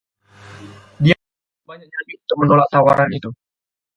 Dia punya nyali untuk menolak tawaran itu.